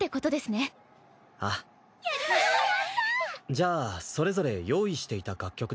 じゃあそれぞれ用意していた楽曲で準備を。